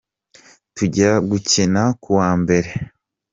tujya gucyina kuwa mbere